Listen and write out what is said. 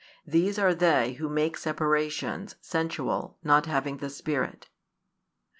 These are they who make separations, sensual, having not the Spirit.